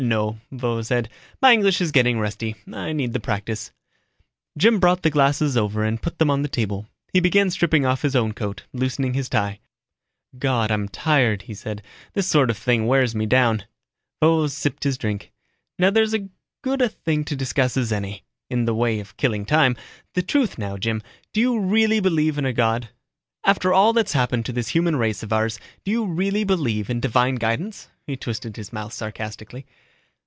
"No," Vovo said, "my English is getting rusty. I need the practice." Jim brought the glasses over and put them on the table. He began stripping off his own coat, loosening his tie. "God, I'm tired," he said. "This sort of thing wears me down." Vovo sipped his drink. "Now there's as good a thing to discuss as any, in the way of killing time. The truth now, Jim, do you really believe in a God? After all that's happened to this human race of ours, do you really believe in divine guidance?" He twisted his mouth sarcastically.